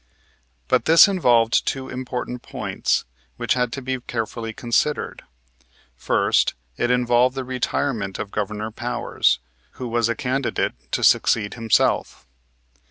But this involved two important points which had to be carefully considered. First, it involved the retirement of Governor Powers, who was a candidate to succeed himself.